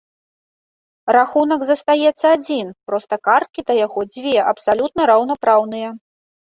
Рахунак застаецца адзін, проста карткі да яго дзве, абсалютна раўнапраўныя.